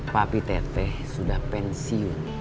papih teteh sudah pensiun